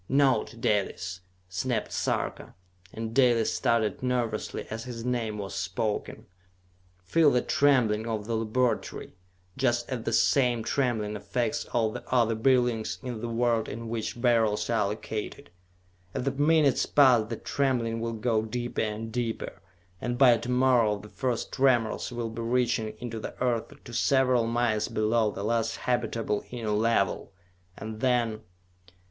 "Note, Dalis!" snapped Sarka, and Dalis started nervously as his name was spoken. "Feel the trembling of the laboratory, just as the same trembling affects all the other buildings in the world in which Beryls are located. As the minutes pass the trembling will go deeper and deeper, and by to morrow the first tremors will be reaching into the Earth to several miles below the last habitable Inner Level! And then....